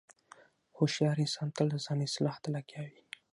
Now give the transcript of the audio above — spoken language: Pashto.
هوښیار انسان تل د ځان اصلاح ته لګیا وي.